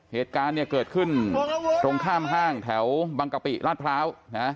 เหตุการณ์เนี่ยเกิดขึ้นตรงข้ามห้างแถวบังกะปิราชพร้าว